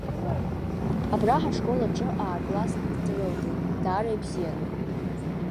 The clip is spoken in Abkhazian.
Абра ҳашкол аҿы аа-класск дрылгеит, даара ибзианы.